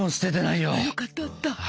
よかったあった。